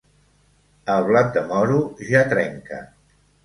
El blat de moro ja trenca.